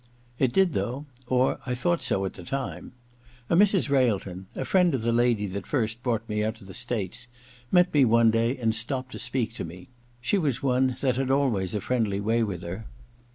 It did though— or I thought so at the time. A Mrs. Railton, a friend of the lady that first brought me out to the States, met me one day and stopped to speak to me : she was one that had always a friendly way with her.